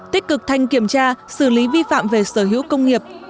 tích cực thanh kiểm tra xử lý vi phạm về sở hữu công nghiệp